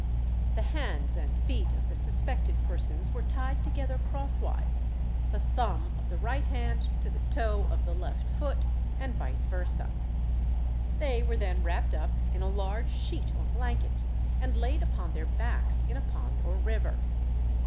The hands and feet of the suspected persons were tied together crosswise, the thumb of the right hand to the toe of the left foot, and vice versa. They were then wrapped up in a large sheet or blanket, and laid upon their backs in a pond or river.